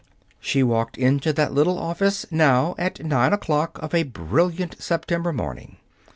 She walked into that little office, now, at nine o'clock of a brilliant September morning.